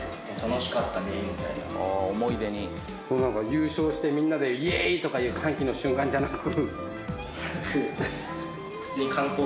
優勝してみんなでイェーイ！とかいう歓喜の瞬間じゃなく。